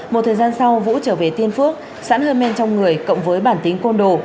một thời gian sau vũ trở về tiên phước sẵn hơi men trong người cộng với bản tính côn đồ